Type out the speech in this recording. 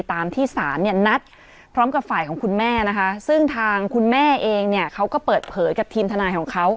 ตามที่ศาลเนี่ยนัดพร้อมกับฝ่ายของคุณแม่นะคะซึ่งทางคุณแม่เองเนี่ยเขาก็เปิดเผยกับทีมทนายของเขา